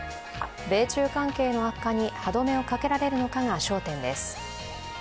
米中関係の悪化に歯止めをかけられるかが焦点です。